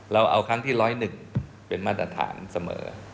เราเอาครั้งที่๑๐๑เป็นมาตรฐานเสมอ